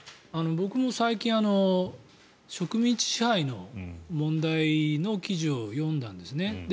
僕も最近植民地支配の問題の記事を読んだんですね。